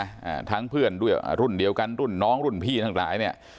อ่าทั้งเพื่อนด้วยอ่ารุ่นเดียวกันรุ่นน้องรุ่นพี่ทั้งหลายเนี้ย